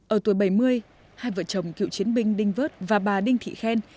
ở tuổi bảy mươi hai vợ chồng cựu chiến binh đinh vớt và bà đinh thị khen